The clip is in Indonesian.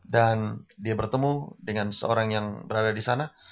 dan dia bertemu dengan seorang yang berada di sana